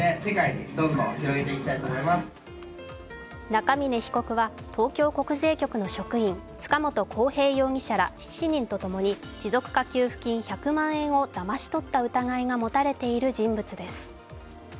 中峯被告は東京国税局の職員、塚本晃平容疑者ら７人とともに、持続化給付金１００万円をだまし取った疑いが持たれている人物です。